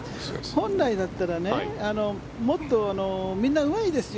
本来だったらもっとみんなうまいですよ。